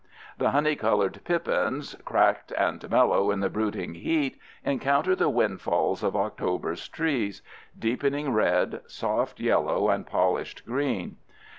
The honey colored pippins, cracked and mellow in the brooding heat, encounter the windfalls of October's trees—deepening red, soft yellow, and polished green.